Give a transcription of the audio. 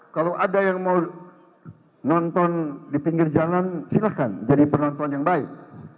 kalau ada yang mau nonton di pinggir jalan silahkan jadi penonton yang baik